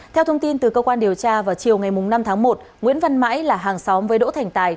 theo thông tin từ cơ quan điều tra vào chiều ngày năm tháng một nguyễn văn mãi là hàng xóm với đỗ thành tài